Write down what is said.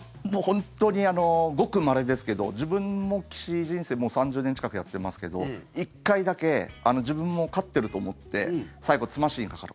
本当にごくまれですけど自分も棋士人生もう３０年近くやってますけど１回だけ自分も勝ってると思って最後、詰ましにかかる。